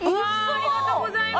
ありがとうございます！